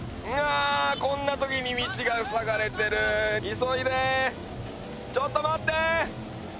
あこんな時に道がふさがれてる急いでちょっと待って！